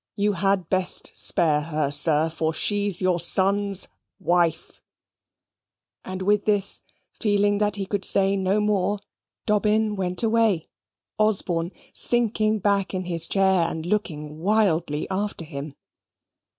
You had best spare her, sir, for she's your son's wife." And with this, feeling that he could say no more, Dobbin went away, Osborne sinking back in his chair, and looking wildly after him.